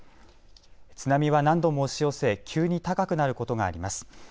津波は何度も押し寄せ急に高くなることがあります。